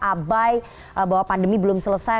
abai bahwa pandemi belum selesai